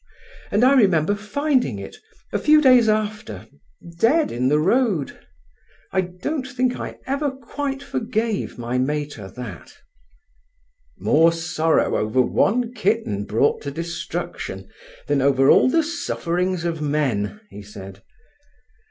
And I remember finding it, a few days after, dead in the road. I don't think I ever quite forgave my mater that." "More sorrow over one kitten brought to destruction than over all the sufferings of men," he said.